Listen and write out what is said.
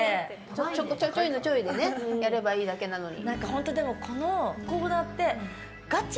ちょちょいのちょいでやればいいだけなのに。